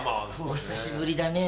お久しぶりだね